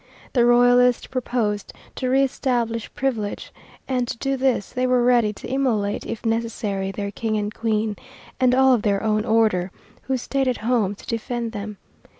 The Royalists proposed to reëstablish privilege, and to do this they were ready to immolate, if necessary, their King and Queen, and all of their own order who stayed at home to defend them.